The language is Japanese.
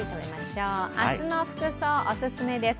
明日の服装、おすすめです